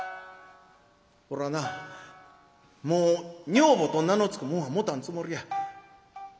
俺はなもう女房と名の付くもんは持たんつもりや。